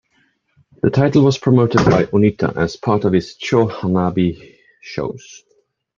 The title was promoted by Onita as part of his Cho Hanabi shows.